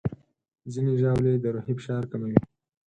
ځینې ژاولې د روحي فشار کموي.